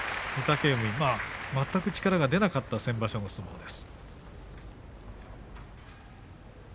御嶽海、全く力が出なかった先場所の相撲です。